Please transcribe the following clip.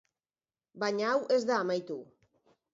Baina hau ez da amaitu.